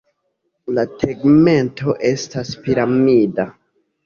La tegmento estas piramida.